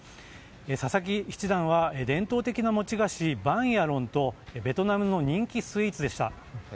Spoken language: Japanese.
佐々木七段は伝統的な餅菓子バンヤロンとベトナムの人気スイーツでした。